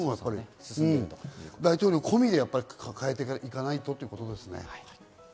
大統領込みで考えていかないとということですね。